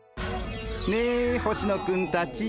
ねえ星野くんたち。